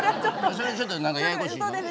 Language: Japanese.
それはちょっと何かややこしいので。